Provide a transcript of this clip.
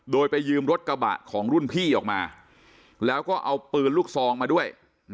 โดยไปยืมรถกระบะของรุ่นพี่ออกมาแล้วก็เอาปืนลูกซองมาด้วย